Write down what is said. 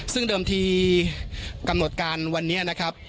ซึ่งเดิมทีกำหนดการวันนี้นะครับ